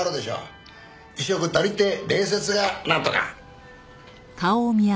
衣食足りて礼節がなんとか。